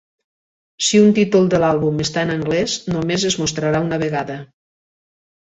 Si un títol de l'àlbum està en anglès, només es mostrarà una vegada.